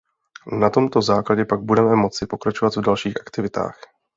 Na tomto základě pak budeme moci pokračovat v dalších aktivitách.